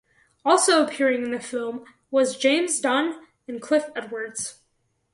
Also appearing in the film was James Dunn and Cliff Edwards.